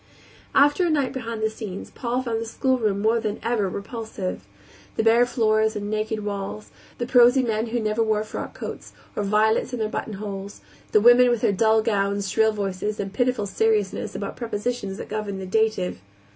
After a night behind the scenes Paul found the schoolroom more than ever repulsive; the bare floors and naked walls; the prosy men who never wore frock coats, or violets in their buttonholes; the women with their dull gowns, shrill voices, and pitiful seriousness about prepositions that govern the dative.